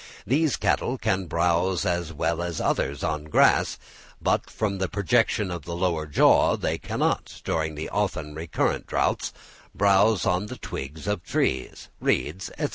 These cattle can browse as well as others on grass, but from the projection of the lower jaw they cannot, during the often recurrent droughts, browse on the twigs of trees, reeds, &c.